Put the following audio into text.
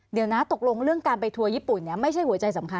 เดี๋ยวนะตกลงเรื่องการไปทัวร์ญี่ปุ่นไม่ใช่หัวใจสำคัญ